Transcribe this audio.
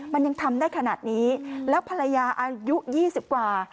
มันยังทำได้ขนาดนี้แล้วภรรยาอายุ๒๐กว่า